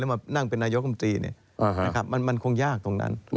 มานั่งเป็นนายกรรมตรีมันคงยากตรงนั้น